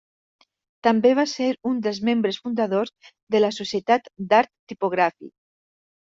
També va ser un dels membres fundadors de la Societat d'Art Tipogràfic.